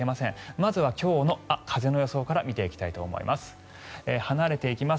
まずは、今日の風の予想から見ていきます。